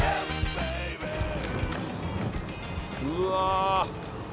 うわ。